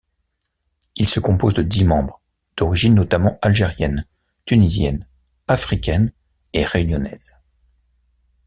Il se compose de dix membres, d'origines notamment algériennes, tunisiennes, africaines, et réunionnaises.